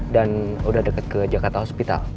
dan udah deket ke jakarta hospital